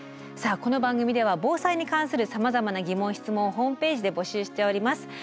さあこの番組では防災に関するさまざまな疑問・質問をホームページで募集しております。